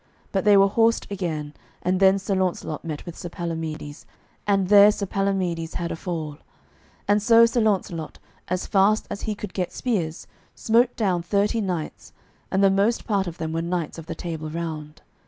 But they were horsed again, and then Sir Launcelot met with Sir Palamides, and there Sir Palamides had a fall. And so Sir Launcelot, as fast as he could get spears, smote down thirty knights, and the most part of them were knights of the Table Round.